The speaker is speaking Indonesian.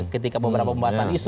ketika beberapa pembahasan isu